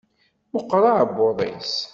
Meqqer aɛebbuḍ-is.